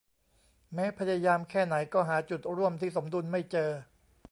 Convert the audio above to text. แม้พยายามแค่ไหนก็หาจุดร่วมที่สมดุลไม่เจอ